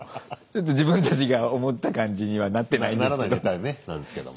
「ちょっと自分たちが思った感じにはなってないんですけど」。